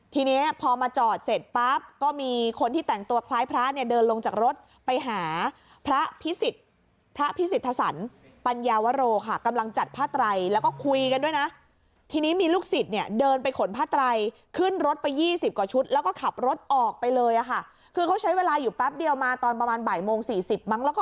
ทีนี้พอมาจอดเสร็จปั๊บก็มีคนที่แต่งตัวคล้ายพระเนี่ยเดินลงจากรถไปหาพระพิสิทธิ์พระพิสิทธสันปัญญาวโรค่ะกำลังจัดผ้าไตรแล้วก็คุยกันด้วยนะทีนี้มีลูกศิษย์เนี่ยเดินไปขนผ้าไตรขึ้นรถไป๒๐กว่าชุดแล้วก็ขับรถออกไปเลยอ่ะค่ะคือเขาใช้เวลาอยู่แป๊บเดียวมาตอนประมาณบ่ายโมง๔๐มั้งแล้วก็